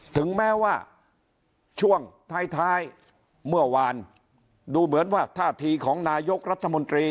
ถึงแม้ว่าช่วงท้ายเมื่อวานดูเหมือนว่าท่าทีของนายกรัฐมนตรี